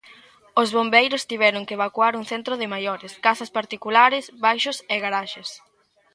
Os bombeiros tiveron que evacuar un centro de maiores, casas particulares, baixos e garaxes.